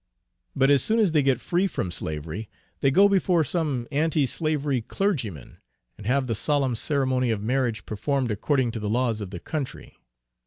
But as soon as they get free from slavery they go before some anti slavery clergyman, and have the solemn ceremony of marriage performed according to the laws of the country.